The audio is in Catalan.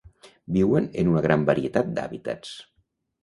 Viuen en una gran varietat d'hàbitats.